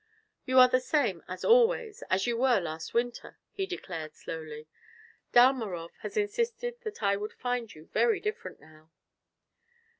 "You are the same as always, as you were last winter," he declared slowly. "Dalmorov has insisted that I would find you very different, now."